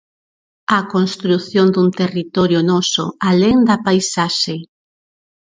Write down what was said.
A construción dun territorio noso, alén da paisaxe.